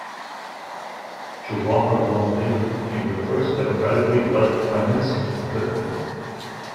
Jawaharlal Nehru became the first democratically elected Prime Minister of the country.